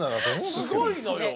すごいのよ。